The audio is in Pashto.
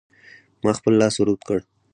ما خپل لاس ور اوږد کړ.